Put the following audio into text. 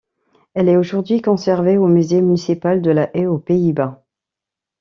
Elle est aujourd'hui conservée au musée municipal de La Haye, aux Pays-Bas.